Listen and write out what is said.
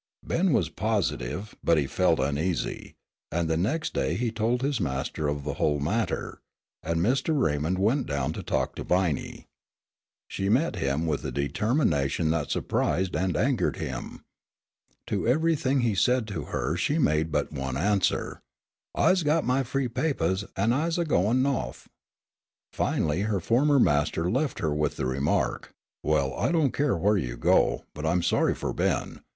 Ben was positive, but he felt uneasy, and the next day he told his master of the whole matter, and Mr. Raymond went down to talk to Viney. She met him with a determination that surprised and angered him. To everything he said to her she made but one answer: "I's got my free papahs an' I's a goin' Nawth." Finally her former master left her with the remark: "Well, I don't care where you go, but I'm sorry for Ben.